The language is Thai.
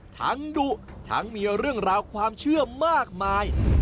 ดุทั้งมีเรื่องราวความเชื่อมากมาย